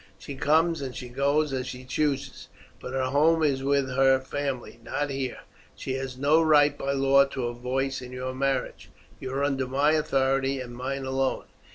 She comes and she goes as she chooses, but her home is with her family, not here. She has no right by law to a voice in your marriage. You are under my authority and mine alone.